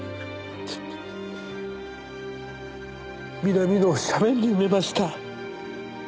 南の斜面に埋めました。